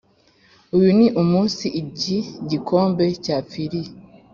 uyu ni umunsi iki gikombe cyapfiriye.